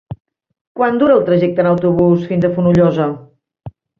Quant dura el trajecte en autobús fins a Fonollosa?